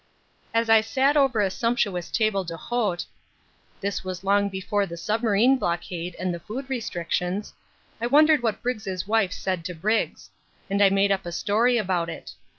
As I sat over a sumptuous table d'hôte this was long before the submarine blockade and the food restrictions I wondered what Briggs's wife said to Briggs; and I made up a story about it.